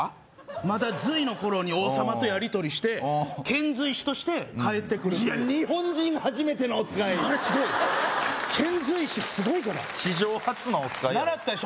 まだ隋の頃に王様とやりとりして遣隋使として帰ってくるといういや日本人はじめてのおつかいあれすごい遣隋使すごいから史上初のおつかいやろ習ったでしょ